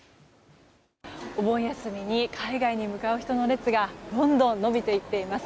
お盆休みに海外に向かう人の列がどんどん延びていっています。